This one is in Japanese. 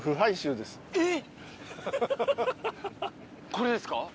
これですか？